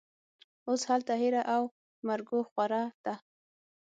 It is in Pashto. اوس هلته هېره او مرګوخوره ده